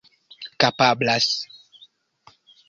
kapablas